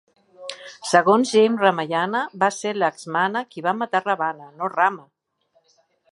Segons Jain Ramayana, va ser Laxmana qui va matar Ravana, no Rama.